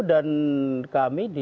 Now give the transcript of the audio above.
dan kami di